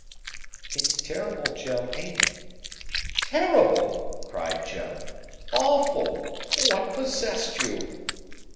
"It's terrible, Joe; ain't it?" "Terrible?" cried Joe. "Awful! What possessed you?"